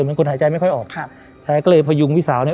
เหมือนคนหายใจไม่ค่อยออกครับชายก็เลยพยุงพี่สาวเนี้ย